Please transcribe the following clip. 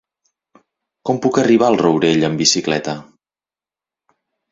Com puc arribar al Rourell amb bicicleta?